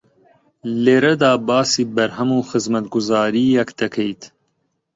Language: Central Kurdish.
لێرەدا باسی بەرهەم و خزمەتگوزارییەک دەکەیت